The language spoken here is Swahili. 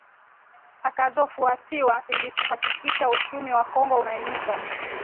akazofuatiwa ilikuhakikisha uchumi wa congo unainuka